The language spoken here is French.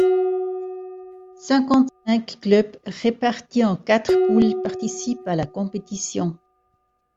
Cinquante-cinq clubs répartis en quatre poules participent à la compétition.